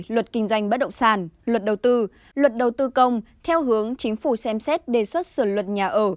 luật kinh doanh bất động sản luật đầu tư luật đầu tư công theo hướng chính phủ xem xét đề xuất sửa luật nhà ở